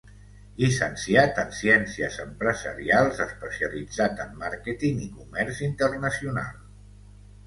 Llicenciat en Ciències Empresarials especialitzat en màrqueting i comerç internacional.